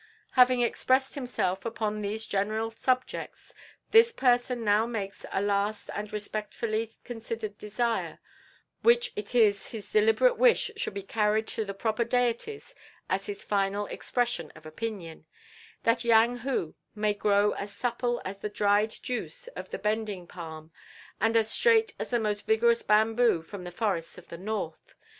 Having expressed himself upon these general subjects, this person now makes a last and respectfully considered desire, which it is his deliberate wish should be carried to the proper deities as his final expression of opinion: That Yang Hu may grow as supple as the dried juice of the bending palm, and as straight as the most vigorous bamboo from the forests of the North.